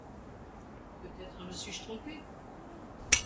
Peut-être me suis-je trompé!